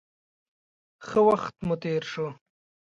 ښه وخت مو تېر شو.